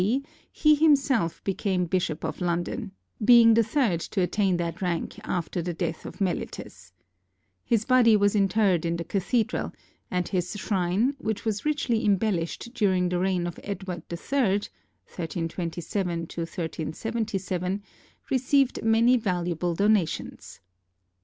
D. he himself became bishop of London, being the third to attain that rank after the death of Melittus. His body was interred in the cathedral, and his shrine, which was richly embellished during the reign of Edward III (1327 1377), received many valuable donations.